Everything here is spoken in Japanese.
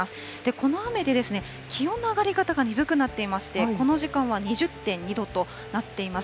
この雨で気温の上がり方が鈍くなっていまして、この時間は２０．２度となっています。